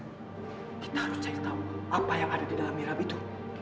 kita harus cek tahu apa yang ada di dalam mirab itu